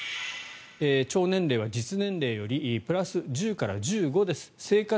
腸年齢は実年齢よりプラス１０から１５です。